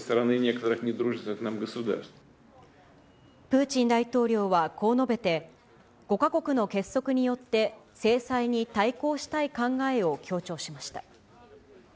プーチン大統領はこう述べて、５か国の結束によって、制裁に対抗したい考えを強調しました。